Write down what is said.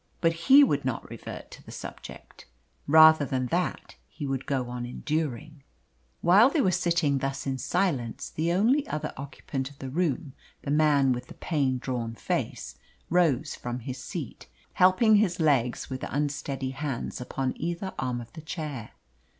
But he would not revert to the subject. Rather than that he would go on enduring. While they were sitting thus in silence, the only other occupant of the room the man with the pain drawn face rose from his seat, helping his legs with unsteady hands upon either arm of the chair.